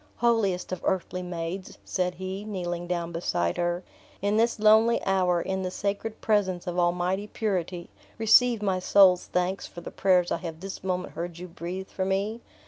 "Holiest of earthly maids," said he, kneeling down beside her, "in this lonely hour, in the sacred presence of Almighty Purity, receive my soul's thanks for the prayers I have this moment heard you breathe for me.